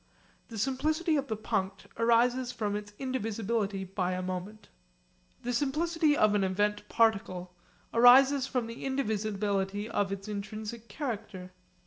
The simplicity of the punct arises from its indivisibility by a moment. The simplicity of an event particle arises from the indivisibility of its intrinsic character.